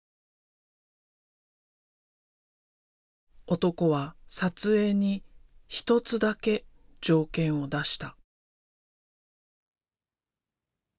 男は撮影に一つだけ条件を出した。